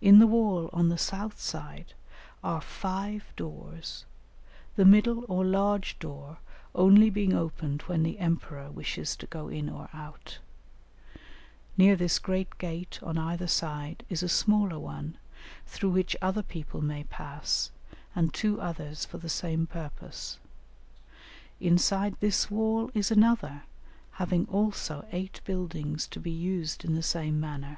In the wall on the south side are five doors, the middle or large door only being opened when the emperor wishes to go in or out; near this great gate on either side is a smaller one through which other people may pass, and two others for the same purpose. Inside this wall is another, having also eight buildings to be used in the same manner."